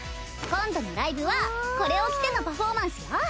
今度のライブはこれを着てのパフォーマンスよ。